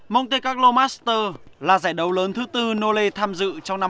monte carlo master là giải đấu lớn thứ bốn nole tham dự trong năm hai nghìn một mươi tám